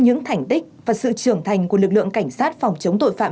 những thành tích và sự trưởng thành của lực lượng cảnh sát phòng chống tội phạm